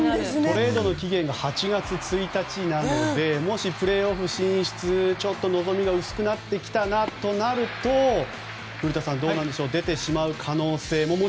トレード期限が８月１日なのでもしプレーオフ進出ちょっと望みが薄くなってきたなとなると古田さん、どうなんでしょう出てしまう可能性も。